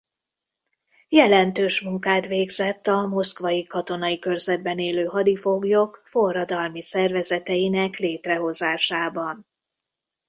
Jelentős munkát végzett a moszkvai katonai körzetben élő hadifoglyok forradalmi szervezeteinek létrehozásában.